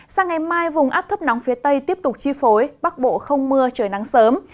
sang ngày mai vùng áp thấp nóng phía tây tiếp tục chi phối bắc bộ không mưa trời nắng sớm